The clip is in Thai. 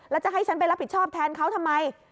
แล้วจะให้ฉันไปรับผิดชอบแทนเขาทำไม